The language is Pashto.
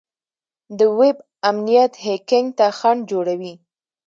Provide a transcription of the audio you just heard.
د ویب امنیت هیکینګ ته خنډ جوړوي.